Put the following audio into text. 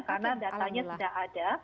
karena datanya sudah ada